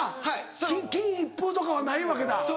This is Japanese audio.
金一封とかはないわけだ。